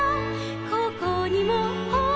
「ここにもほら」